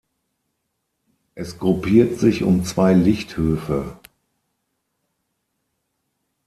Es gruppiert sich um zwei Lichthöfe.